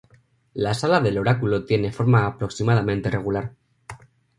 La Sala del Oráculo tiene forma aproximadamente rectangular.